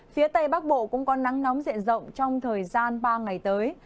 phía tây bắc bộ cũng có nắng nóng diện rộng trong thời gian ba ngày tới